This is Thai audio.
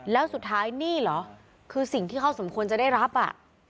แล้วสุดท้ายนี่เหรอคือสิ่งที่เขาสมควรจะได้รับอ่ะ